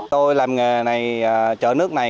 tôi làm nghề này chở nước này